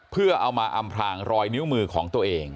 เพื่อเอามาอำพลางรอยนิ้วมือของตัวเอง